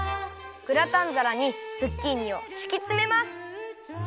グラタンざらにズッキーニをしきつめます。